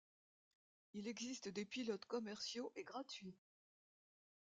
Il existe des pilotes commerciaux et gratuits.